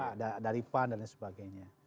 ada daripan dan lain sebagainya